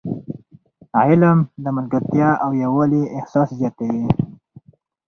علم د ملګرتیا او یووالي احساس زیاتوي.